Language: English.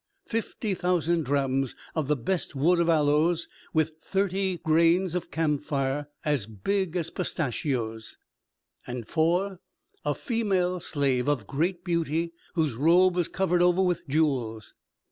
Fifty thousand drachms of the best wood of aloes, with thirty grains of camphire as big as pistachios. And 4. A female slave of great beauty, whose robe was covered over with jewels.